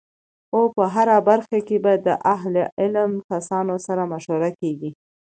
او په هره برخه کی به د اهل علم کسانو سره مشوره کیږی